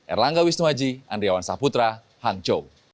erlangga wisnuaji andriawan saputra hangzhou